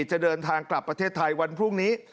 จะเดินทางกลับประเทศไทยวันพรุ่งนี้